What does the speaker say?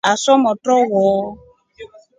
Asa motro wo.